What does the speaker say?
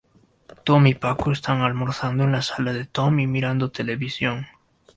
Tom y Paco están almorzando en la sala de Tom y mirando televisión.